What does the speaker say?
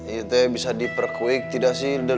itu bisa diperkuik tidak sih